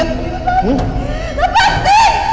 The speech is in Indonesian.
lepas lepas sih